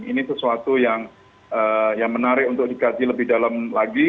jadi itu sesuatu yang menarik untuk dikaji lebih dalam lagi